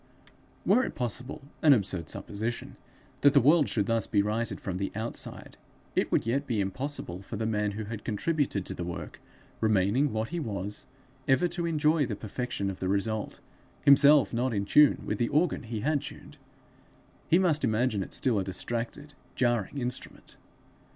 Were it possible an absurd supposition that the world should thus be righted from the outside, it would yet be impossible for the man who had contributed to the work, remaining what he was, ever to enjoy the perfection of the result; himself not in tune with the organ he had tuned, he must imagine it still a distracted, jarring instrument.